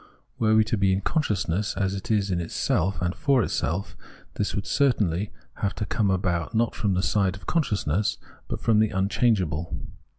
Were it to be in consciousness as it is in itself and for itself, this would certainly have to come about not from the side of consciousness, but from the unchangeable.